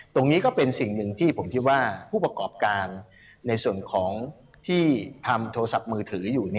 ก็เป็นสิ่งหนึ่งที่ผมคิดว่าผู้ประกอบการในส่วนของที่ทำโทรศัพท์มือถืออยู่